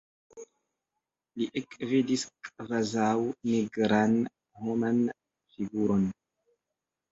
Li ekvidis kvazaŭ nigran homan figuron.